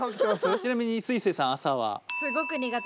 ちなみにすいせいさん朝は？